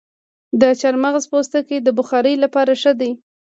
د چارمغز پوستکي د بخارۍ لپاره ښه دي؟